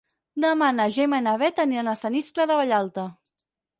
Demà na Gemma i na Bet aniran a Sant Iscle de Vallalta.